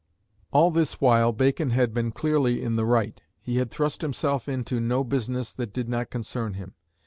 All this while Bacon had been clearly in the right. He had thrust himself into no business that did not concern him.